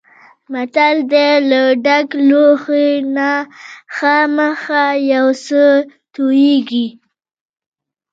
متل دی: له ډک لوښي نه خامخا یو څه تویېږي.